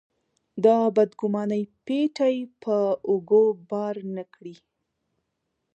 د بدګمانۍ پېټی په اوږو بار نه کړي.